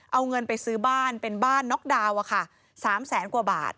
เอาเงินไปซื้อบ้านเป็นบ้านน็อกดาวน์๓แสนกว่าบาท